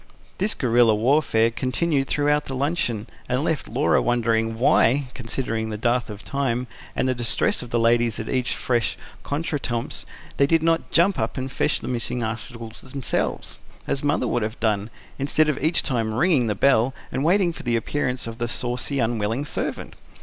This guerilla warfare continued throughout luncheon, and left Laura wondering why, considering the dearth of time, and the distress of the ladies at each fresh contretemps, they did not jump up and fetch the missing articles themselves as Mother would have done instead of each time ringing the bell and waiting for the appearance of the saucy, unwilling servant.